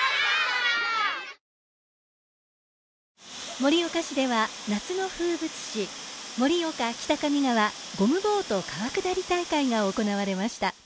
盛岡市では夏の風物詩、盛岡・北上川ゴムボート川下り大会が行われました。